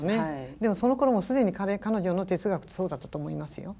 でもそのころ既に彼女の哲学ってそうだったと思いますよ。